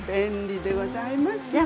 便利でございます。